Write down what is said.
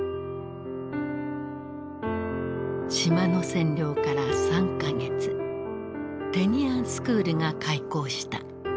島の占領から３か月テニアンスクールが開校した。